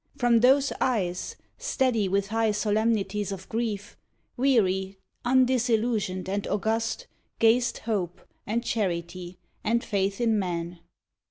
From those eyes, Steady with high solemnities of grief, Weary, undisillusioned and august, Gazed hope, and charity, and faith in man.